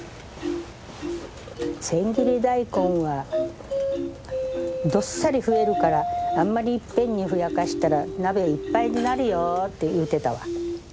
千切り大根はどっさり増えるからあんまりいっぺんにふやかしたら鍋いっぱいになるよって言うてたわ。